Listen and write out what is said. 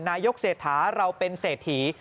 นายกเศรษฐาเราเป็นเศรษฐี